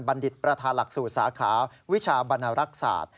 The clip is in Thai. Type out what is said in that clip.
ดิษฐ์ประธานหลักสูตรสาขาวิชาบรรณรักษา